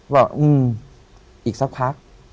เขาบอกอืมอีกซักพัก